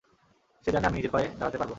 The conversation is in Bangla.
সে জানে আমি নিজের পায়ে দাঁড়াতে পারব।